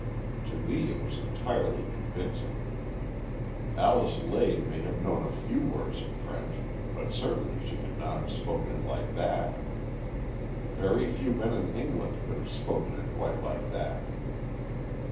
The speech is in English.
To me it was entirely convincing. Alice Lade may have known a few words of French, but certainly she could not have spoken it like that. Very 186 AN EXCHANGE OF SOULS few men in England could have spoken it quite like that.